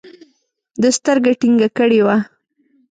ده سترګه ټينګه کړې وه.